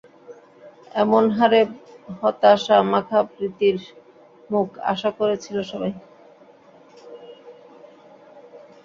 এমন হারে হতাশামাখা প্রীতির মুখ আশা করেছিল সবাই।